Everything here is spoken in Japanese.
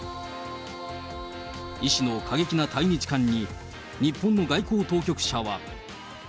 イ氏の過激な対日観に日本の外交当局者は。